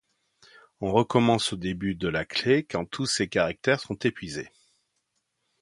On recommence au début de la clé quand tous ses caractères sont épuisés.